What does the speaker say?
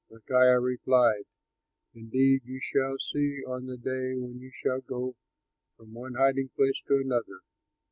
Micaiah replied, "Indeed, you shall see on the day when you shall go from one hiding place to another."